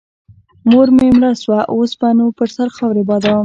مور مې مړه سوه اوس به نو پر سر خاورې بادوم.